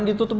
bentar ya pa